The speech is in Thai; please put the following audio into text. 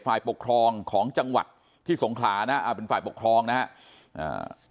ฝ่ายปกครองของจังหวัดที่สงขลานะฮะอ่าเป็นฝ่ายปกครองนะฮะอ่า